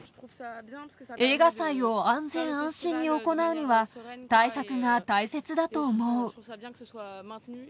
映画祭を安全安心に行うには、対策が大切だと思う。